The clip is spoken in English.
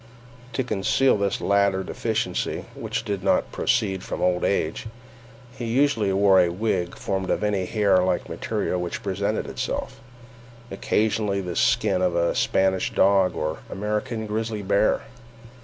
To conceal this latter deficiency, which did not proceed from old age, he usually wore a wig formed of any hair like material which presented itself—occasionally the skin of a Spanish dog or American grizzly bear.